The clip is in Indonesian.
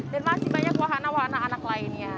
dan masih banyak wahana wahana anak lainnya